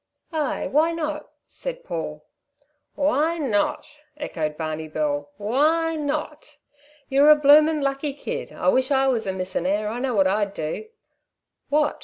"Ay, why not?" said Paul. "Why not?" echoed Barney Bill. "Why not? You're a blooming lucky kid. I wish I was a missin' heir. I know what I'd do." "What?"